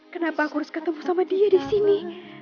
kenapa aku harus ketemu sama dia disini